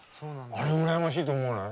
あれ羨ましいと思わない？